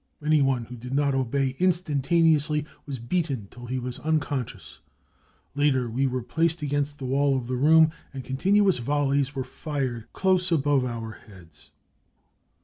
Anyone who did not obey instantaneously was beaten till he was unconscious. Later we were placed against the wall of the room, and continuous volleys BRUTALITY AND TORTURE 207 were fired close above our heads.